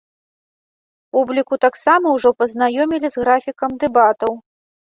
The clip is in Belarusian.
Публіку таксама ўжо пазнаёмілі з графікам дэбатаў.